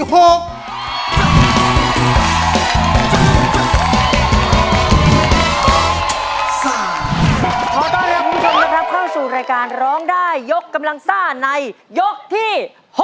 ขอต้อนรับคุณผู้ชมนะครับเข้าสู่รายการร้องได้ยกกำลังซ่าในยกที่๖